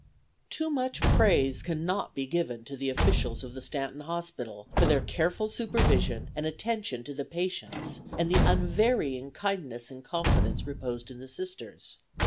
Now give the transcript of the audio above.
Too much praise cannot be given to the officials of the Stanton Hospital for their careful supervision and attention to the patients, and the unvarying kindness and confidence reposed in the Sisters.